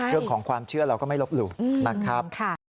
เรื่องของความเชื่อเราก็ไม่ลบหลู่นะครับ